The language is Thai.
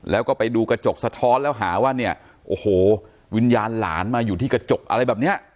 แล้วก็ไปดูกระจกสะท้อนแล้วหาว่าเนี่ยโอ้โหวิญญาณหลานมาอยู่ที่กระจกอะไรแบบเนี้ย